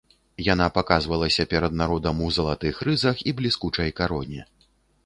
Яна паказвалася перад народам у залатых рызах, у бліскучай кароне.